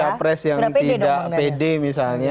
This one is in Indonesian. capres yang tidak pede misalnya